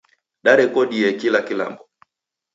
Darekodie kila kilambo.